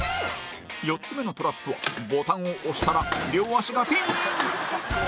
４つ目のトラップはボタンを押したら両足がピーン！